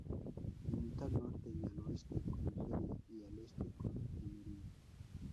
Limita al norte y al oeste con Nigeria y al este con Camerún.